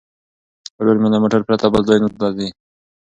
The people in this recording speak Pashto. ورور مې له موټر پرته بل ځای ته نه ځي.